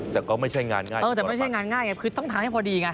แต่ก็ไม่ใช่งานง่ายเออแต่ไม่ใช่งานง่ายไงคือต้องทำให้พอดีไง